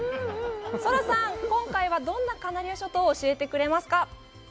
ソラさん、今回はどんなカナリア諸島を教えてくれますか。